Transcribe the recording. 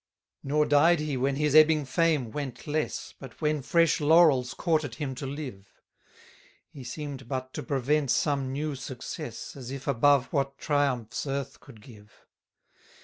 33 Nor died he when his ebbing fame went less, But when fresh laurels courted him to live: He seem'd but to prevent some new success, As if above what triumphs earth could give.